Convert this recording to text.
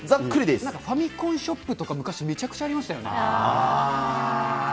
なんかファミコンショップとか、昔、めちゃくちゃありましたよね。